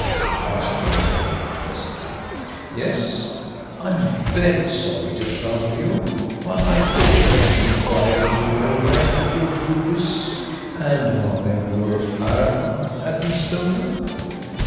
asked Jimmie Dale pleasantly. "Yes? ... I am very sorry to trouble you, but I called you up to inquire if you were aware that your rubies, and among them your Aracon, had been stolen?